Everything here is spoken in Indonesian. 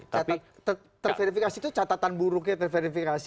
catatan terverifikasi itu catatan buruknya terverifikasi